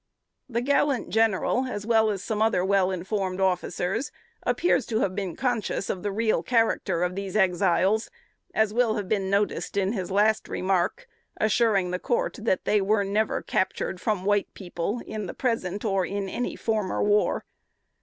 The gallant General, as well as some other well informed officers, appears to have been conscious of the real character of these Exiles, as will have been noticed in his last remark, assuring the court, that they were never captured from the white people "in the present, or in any former war."